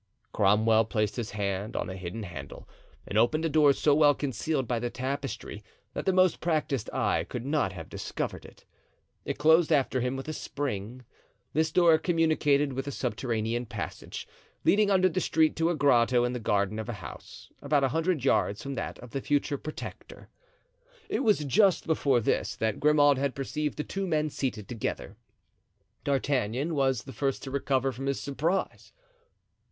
Cromwell placed his hand on a hidden handle and opened a door so well concealed by the tapestry that the most practiced eye could not have discovered it. It closed after him with a spring. This door communicated with a subterranean passage, leading under the street to a grotto in the garden of a house about a hundred yards from that of the future Protector. It was just before this that Grimaud had perceived the two men seated together. D'Artagnan was the first to recover from his surprise.